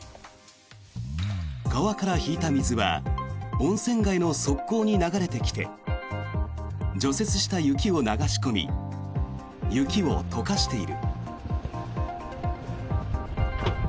川から引いた水は温泉街の側溝に流れてきて除雪した雪を流し込み雪を溶かしている。